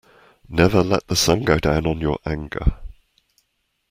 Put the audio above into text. Never let the sun go down on your anger.